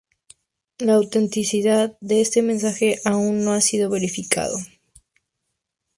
La autenticidad de este mensaje aún no ha sido verificado.